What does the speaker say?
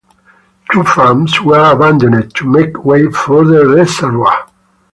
Two farms were abandoned to make way for the reservoir.